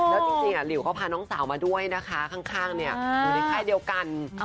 แล้วจริงหลิวก็พาน้องสาวมาด้วยนะคะข้างอยู่ในค่ายเดียวกัน